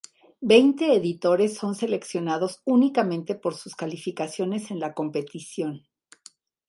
Veinte editores son seleccionados únicamente por sus calificaciones en la competición.